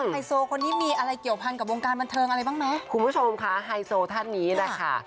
ไฮโซคนนี้มีอะไรเกี่ยวพันกับวงการบันเทิงอะไรบ้างไหมคุณผู้ชมค่ะไฮโซท่านนี้แหละค่ะ